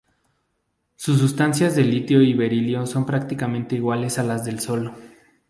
Sus abundancias de litio y berilio son prácticamente iguales a las del Sol.